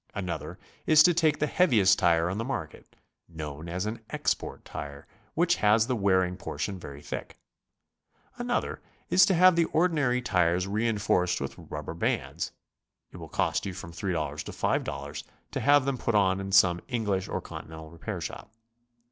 Another is to take the heaviest tire on the market, known as an "export tire," which has the wearing portion very thick. Another is to have the ordinary tires re inforced with rubber bands; it will cost you from $3 to $5 to have them put on in some English or Conti nental repair shop.